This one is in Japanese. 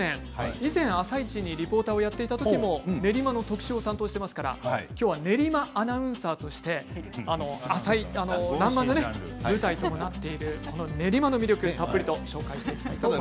以前「あさイチ」でリポーターをやっていた時にも練馬の特集を担当してますから今日は練馬アナウンサーとして「らんまん」の舞台ともなっている練馬の魅力をたっぷりお伝えしていきます。